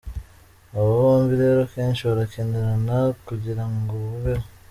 Abo bombi rero kenshi barakenerana kugira ngo babeho.